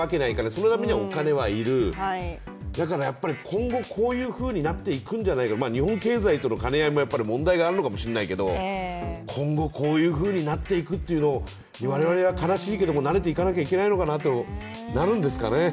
そのためにはお金はいる、だから今後、こういうふうになっていくんじゃないか、日本経済との兼ね合いも問題があるのかもしれないけど、今後こういうふうになっていくというのを、我々は悲しいけどなれていかないといけないのかなとなるんですかね。